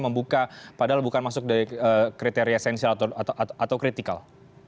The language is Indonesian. membuka padahal bukan masuk dari kriteria esensial atau kritikal